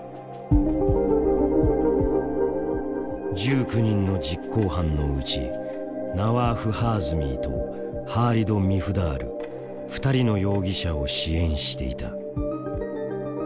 １９人の実行犯のうちナワーフ・ハーズミーとハーリド・ミフダール２人の容疑者を支援していた。